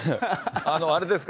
あれですか？